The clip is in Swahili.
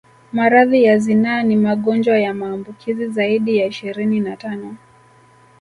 Maradhi ya zinaa ni magonjwa ya maambukizi zaidi ya ishirini na tano